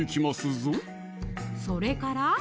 ぞそれから？